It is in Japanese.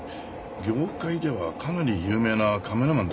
業界ではかなり有名なカメラマンだったようです。